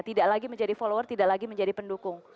tidak lagi menjadi follower tidak lagi menjadi pendukung